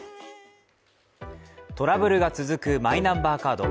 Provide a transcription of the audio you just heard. トラブルが続くマイナンバーカード。